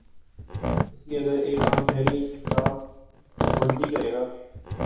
اس لیے اگر ایک عام شہری ان کی خلاف ورزی کرے گا۔